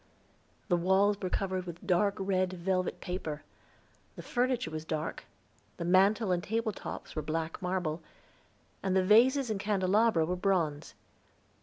The walls were covered with dark red velvet paper, the furniture was dark, the mantel and table tops were black marble, and the vases and candelabra were bronze.